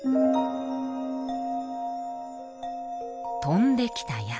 飛んできた矢